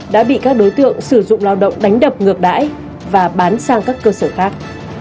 đã bị các đối tượng sử dụng lao động đánh đập ngược đãi và bán sang các cơ sở khác